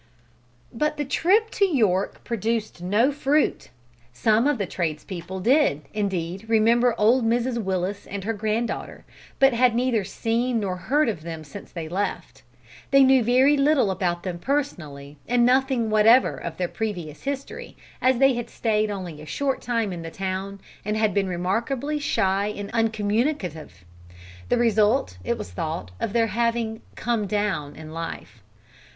But the trip to York produced no fruit! Some of the tradespeople did, indeed, remember old Mrs Willis and her granddaughter, but had neither seen nor heard of them since they left. They knew very little about them personally, and nothing whatever of their previous history, as they had stayed only a short time in the town, and had been remarkably shy and uncommunicative the result, it was thought, of their having "come down" in life.